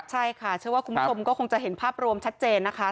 ใช่ค่ะเชื่อว่าคุณผู้ชมก็คงจะเห็นภาพรวมชัดเจนนะคะ